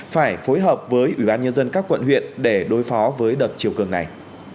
phải phối hợp với ủy ban nhân dân các quận huyện để đối phó với đợt chiều cường này